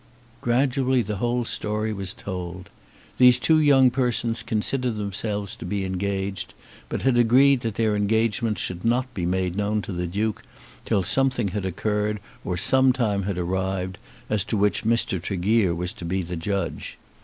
Gradually the whole story was told. These two young persons considered themselves to be engaged, but had agreed that their engagement should not be made known to the Duke till something had occurred, or some time had arrived, as to which Mr. Tregear was to be the judge.